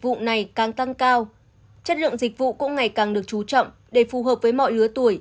vụ này càng tăng cao chất lượng dịch vụ cũng ngày càng được chú trọng để phù hợp với mọi lứa tuổi